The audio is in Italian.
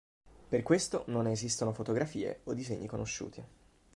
Per questo non ne esistono fotografie o disegni conosciuti.